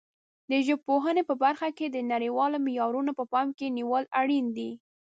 د ژبپوهنې په برخه کې د نړیوالو معیارونو په پام کې نیول اړین دي.